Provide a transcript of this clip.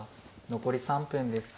残り３分です。